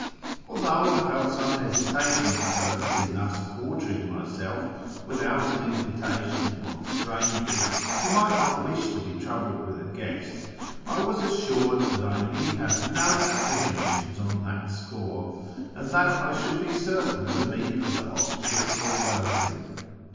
Although I felt some hesitation at first in thus quartering myself without an invitation on strangers who might not wish to be troubled with a guest, I was assured that I need have no apprehensions on that score, and that I should be certain to meet with a hospitable welcome.